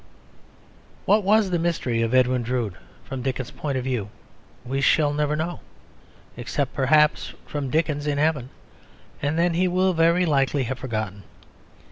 What was the mystery of Edwin Drood from Dickens's point of view we shall never know, except perhaps from Dickens in heaven, and then he will very likely have forgotten.